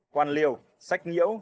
hoàn liều sách nhiễu